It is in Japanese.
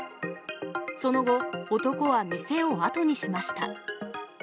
その後、男は店を後にしました。